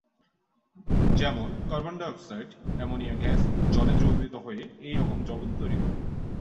যেমন- carbon dioxide, ammonia gas জলে দ্রবীভূত হয়ে এইরকম দ্রবণ উৎপন্ন করে।